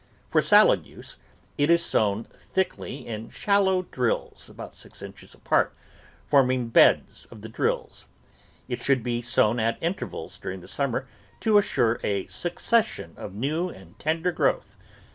For salad use, it is sown thickly in shallow drills about six inches apart, forming beds of the drills. It should be sown at intervals during the summer to assure a succession of new and tender growth.